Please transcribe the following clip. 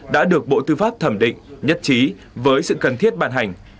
đã được bộ tư pháp thẩm định nhất trí với sự cần thiết bàn hành